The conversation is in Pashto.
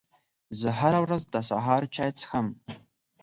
زه هره ورځ د سهار چای څښم